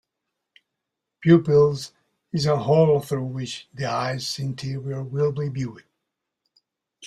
The pupil is a hole through which the eye's interior will be viewed.